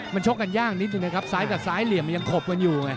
มันชกกันยากนิดนึงนะครับซ้ายกับซ้ายเหลี่ยมมันยังขบกันอยู่ไง